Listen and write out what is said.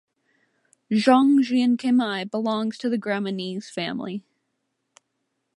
Zhongjianquemai belongs to the graminease family.